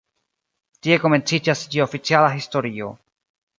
Tie komenciĝas ĝia oficiala historio.